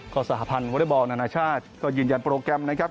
ก็สหพันธ์วอเล็กบอลนานาชาติก็ยืนยันโปรแกรมนะครับ